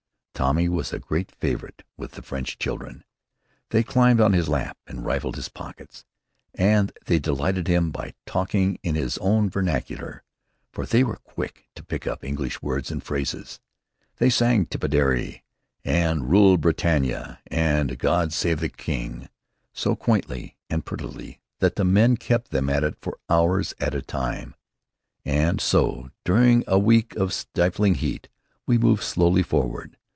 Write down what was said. Tommy was a great favorite with the French children. They climbed on his lap and rifled his pockets; and they delighted him by talking in his own vernacular, for they were quick to pick up English words and phrases. They sang "Tipperary" and "Rule Britannia," and "God Save the King," so quaintly and prettily that the men kept them at it for hours at a time. And so, during a week of stifling heat, we moved slowly forward.